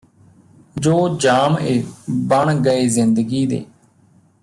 ਜੋ ਜਾਮ ਏ ਬਣ ਗਏ ਜ਼ਿੰਦਗੀ ਦੇ